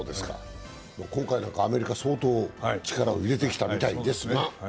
今回なんかアメリカ相当力を入れてきたみたいですが。